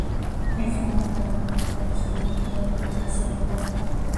Es llamada la capital nacional del basalto.